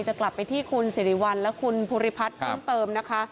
จะกลับไปที่คุณสิริวัลและคุณภูริพัฒน์เพิ่มเติมนะคะ